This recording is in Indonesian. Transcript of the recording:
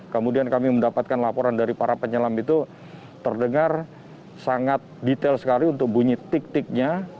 kemudian kami mendapatkan laporan dari para penyelam itu terdengar sangat detail sekali untuk bunyi tik tiknya